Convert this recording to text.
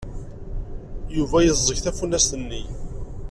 Yuba yeẓẓeg tafunast-nni.